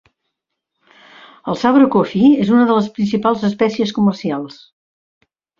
El sabre cuafí és una de les principals espècies comercials.